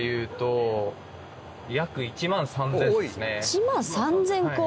１万３０００個！